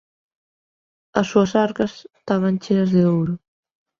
As súas arcas estaban cheas de ouro.